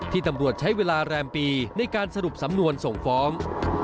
ตำรวจใช้เวลาแรมปีในการสรุปสำนวนส่งฟ้อง